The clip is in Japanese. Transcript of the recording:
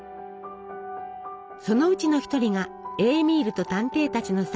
そのうちの１人が「エーミールと探偵たち」の作者ケストナー。